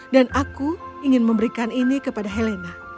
dan aku ingin memberikan ini kepada helena